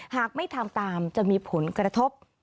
หากไม่ทำตามจะมีผลกระทบ